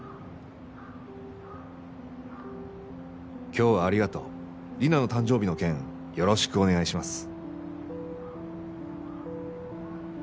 「今日はありがとうリナの誕生日の件、宜しくお願いします」。